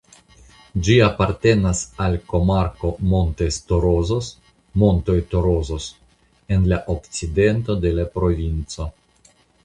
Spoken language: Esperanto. Ĝi apartenas al komarko "Montes Torozos" (Montoj Torozos) en la okcidento de la provinco.